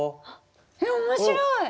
えっ面白い。